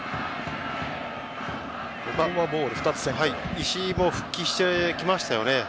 石井も復帰してきましたよね。